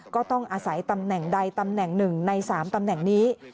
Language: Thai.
ก็ต้องอาศัยตำแหน่งใดตำแหน่ง๑ใน๓ตำแหน่งนี้